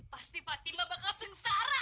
pasti fatima bakal sengsara